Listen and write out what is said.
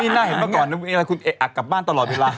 นี่หน้าเห็นมาก่อนคุณเอ๊ะอักกลับบ้านตลอดเวลา